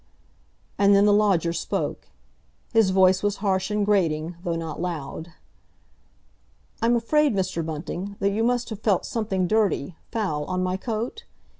And then the lodger spoke. His voice was harsh and grating, though not loud. "I'm afraid, Mr. Bunting, that you must have felt something dirty, foul, on my coat?